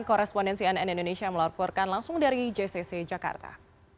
korrespondensi ann indonesia melaporkan langsung dari jcc jakarta